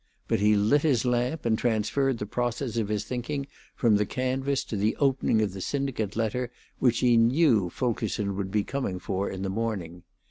But he lit his lamp and transferred the process of his thinking from the canvas to the opening of the syndicate letter which he knew Fulkerson would be coming for in the morning.